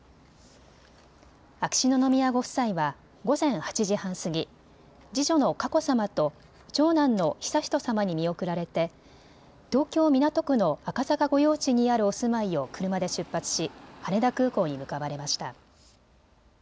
秋篠宮ご夫妻は午前８時半過ぎ、次女の佳子さまと長男の悠仁さまに見送られて東京港区の赤坂御用地にあるお住まいを車で出発し羽田空港に向かわれました。